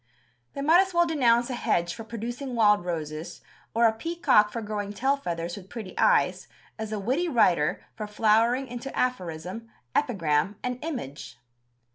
They might as well denounce a hedge for producing wild roses or a peacock for growing tail feathers with pretty eyes as a witty writer for flowering into aphorism, epigram and image.